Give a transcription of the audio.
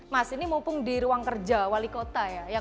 mas ini mumpung di ruang kerja wali kota ya